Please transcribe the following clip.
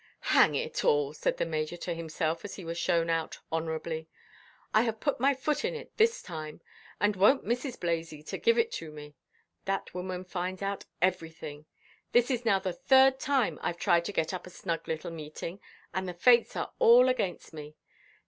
"Hang it all," said the Major to himself, as he was shown out honourably, "I have put my foot in it this time; and wonʼt Mrs. Blazeater give it to me! That woman finds out everything. This is now the third time Iʼve tried to get up a snug little meeting, and the fates are all against me.